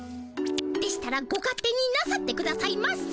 でしたらご勝手になさってくださいませ。